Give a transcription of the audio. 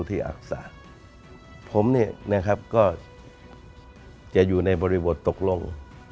ที่อักษะผมรู้จะอยู่ในบริบทตกลง